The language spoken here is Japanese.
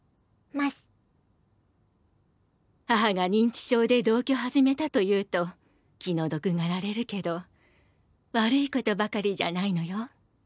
母が認知症で同居始めたと言うと気の毒がられるけど悪いことばかりじゃないのよ。